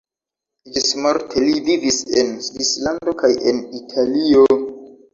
Ĝismorte li vivis en Svislando kaj en Italio.